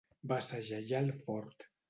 Va segellar el fort.